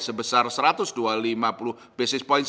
sebesar satu ratus lima puluh basis point